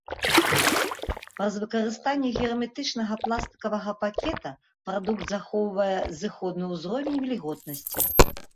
Праз выкарыстанне герметычнага пластыкавага пакета прадукт захоўвае зыходны ўзровень вільготнасці.